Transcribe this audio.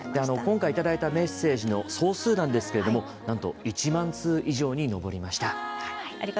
今回いただいたメッセージの総数なんですけどなんと、１万通以上に上りました。